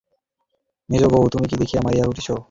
মেজোবউ, তুমি যে দেখি মরিয়া হয়ে উঠেছ!